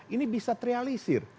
ini bisa terrealisir